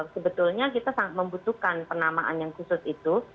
sebetulnya kita sangat membutuhkan penamaan yang khusus itu